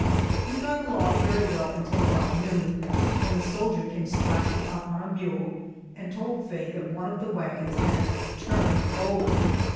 We got along very well until about noon, when a soldier came splashing up on a mule and told Faye that one of the wagons had turned over!